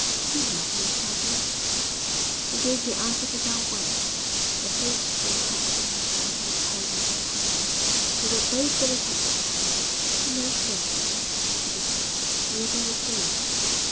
'Do you love me, Ferdinand?' He gave the answer without words. Their faces were touching now, and he was holding her hands. They were both very happy. 'You know, Ferdinand,' she whispered, 'we are very foolish.'